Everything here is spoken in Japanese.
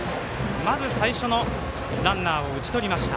まず最初のランナーを打ち取りました。